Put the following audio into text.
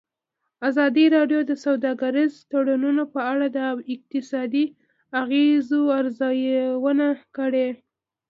ازادي راډیو د سوداګریز تړونونه په اړه د اقتصادي اغېزو ارزونه کړې.